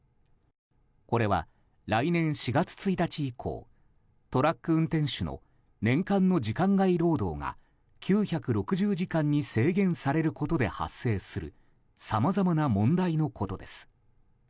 これは、来年４月１日以降トラック運転手の年間の時間外労働が９６０時間に制限されることで発生するさまざまな問題のことです。